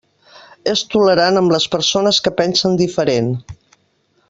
És tolerant amb les persones que pensen diferent.